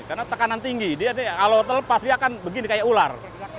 karena tekanan tinggi kalau terlepas dia akan begini kayak ular